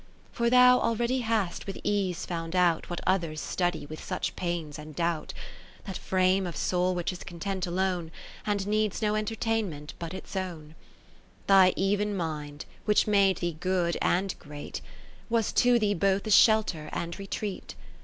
For thou already hast with ease found out What others study with such pains and doubt ; That frame of soul which is content alone, And needs no entertainment but its own. Kath eri7te Philips Thy even mind, which made thee good and great, Was to thee both a shelter and retreat.